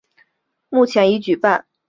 目前已举办三届评选。